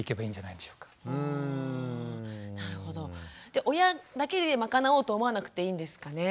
じゃ親だけでまかなおうと思わなくていいんですかね？